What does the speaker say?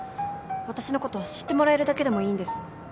私のこと知ってもらえるだけでもいいんです。